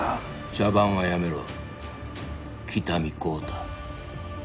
茶番はやめろ喜多見幸太